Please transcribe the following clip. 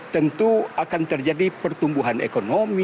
tentu akan terjadi pertumbuhan ekonomi